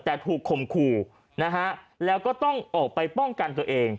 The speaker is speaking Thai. แต่ถูกข่มขู่นะฮะแล้วก็ต้องออกไปป้องกันตัวเอง